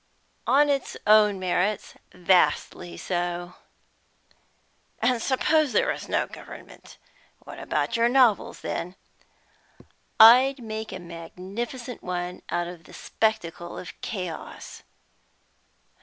"On its own merits, vastly so." "And suppose there was no government What about your novels then?" "I'd make a magnificent one out of the spectacle of chaos."